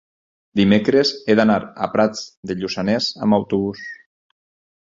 dimecres he d'anar a Prats de Lluçanès amb autobús.